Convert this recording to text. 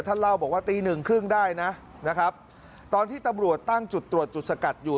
เล่าบอกว่าตีหนึ่งครึ่งได้นะนะครับตอนที่ตำรวจตั้งจุดตรวจจุดสกัดอยู่